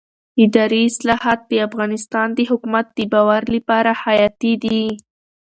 اداري اصلاحات د افغانستان د حکومت د باور لپاره حیاتي دي